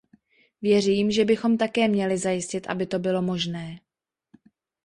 Věřím, že bychom také měli zajistit, aby to bylo možné.